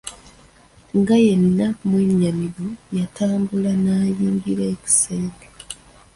Nga yenna mwennyamivu yatambula n'ayingira ekisenge.